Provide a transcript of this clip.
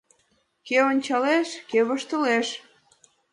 Кӧ ончалеш, кӧ воштылеш